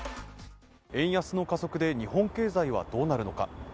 円安の加速で日本経済はどうなるのか。